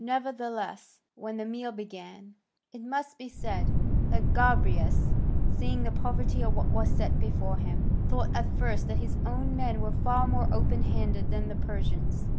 Nevertheless, when the meal began, it must be said that Gobryas, seeing the poverty of what was set before him, thought at first that his own men were far more open handed than the Persians.